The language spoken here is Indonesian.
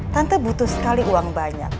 tante butuh sekali uang banyak